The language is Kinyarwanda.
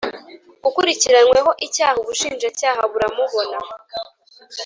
ukurikiranyweho icyaha Ubushinjacyaha buramubona